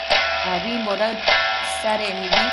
abimbo daëd isadec mibi